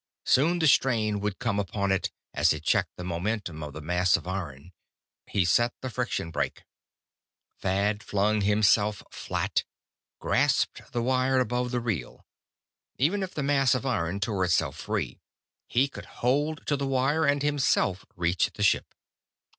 Soon the strain would come upon it, as it checked the momentum of the mass of iron. He set the friction brake. Thad flung himself flat, grasped the wire above the reel. Even if the mass of iron tore itself free, he could hold to the wire, and himself reach the ship.